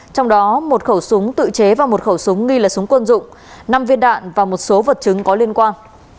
trong đó một khẩu súng tự chế và một khẩu súng nghi là súng quân dụng năm viên đạn và một số vật chứng có liên quan